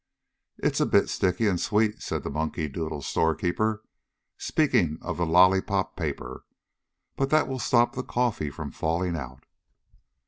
"It's a bit sticky and sweet," said the monkey doodle store keeper, speaking of the lollypop paper, "but that will stop the coffee from falling out."